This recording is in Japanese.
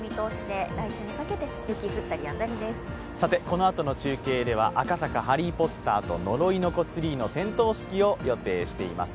このあとの中継では、赤坂ハリー・ポッターと呪いの子ツリーの点灯式を予定しています。